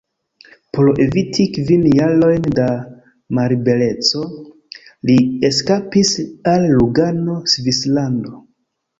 Por eviti kvin jarojn da mallibereco, li eskapis al Lugano, Svislando.